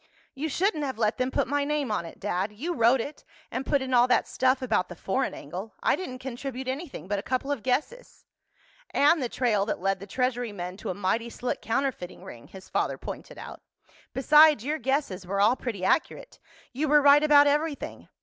"You shouldn't have let them put my name on it, Dad. You wrote it, and put in all that stuff about the foreign angle. I didn't contribute anything but a couple of guesses." "And the trail that led the Treasury men to a mighty slick counterfeiting ring," his father pointed out. "Besides, your guesses were all pretty accurate. You were right about everything.